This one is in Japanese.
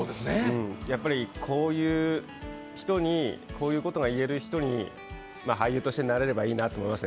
やっぱりこういうことが言える人に、俳優としてなれればいいなと思いました。